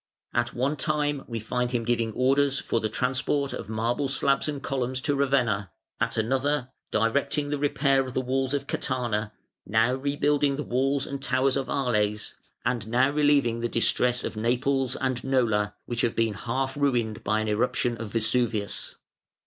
At one time we find him giving orders for the transport of marble slabs and columns to Ravenna, at another, directing the repair of the walls of Catana, now rebuilding the walls and towers of Arles, and now relieving the distress of Naples and Nola, which have been half ruined by an eruption of Vesuvius.